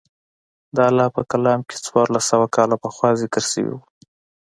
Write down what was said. د الله په کلام کښې څوارلس سوه کاله پخوا ذکر سوي وو.